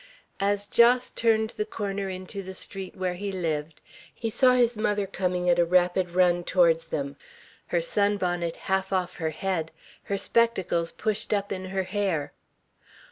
As Jos turned the corner into the street where he lived, he saw his mother coming at a rapid run towards them, her sun bonnet half off her head, her spectacles pushed up in her hair.